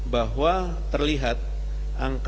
bahwa terlihat angka positif dan sembuh